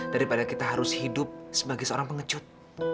daripada kita harus hidup sebagai seorang pengecut